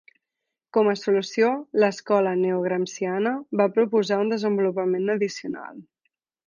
Com a solució, l'escola neogramsciana va proposar un desenvolupament addicional.